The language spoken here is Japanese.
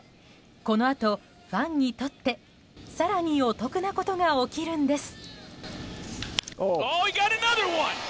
このあとファンにとって更にお得なことが起きるんです。